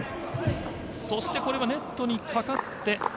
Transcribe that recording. そして、これはネットにかかって。